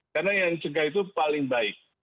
karena yang cegah itu paling baik